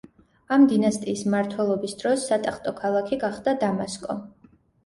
ამ დინასტიის მმართველობის დროს სატახტო ქალაქი გახდა დამასკო.